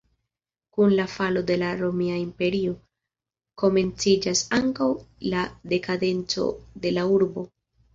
Kun la falo de la Romia Imperio, komenciĝas ankaŭ la dekadenco de la urbo.